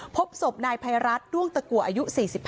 พบศพนายภัยรัฐด้วงตะกัวอายุ๔๕